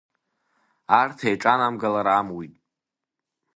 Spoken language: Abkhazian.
Арҭ еиҿанамгалар амуит.